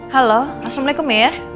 halo assalamualaikum ya